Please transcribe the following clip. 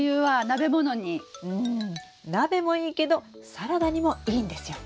うん鍋もいいけどサラダにもいいんですよ。